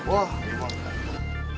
wah ini mah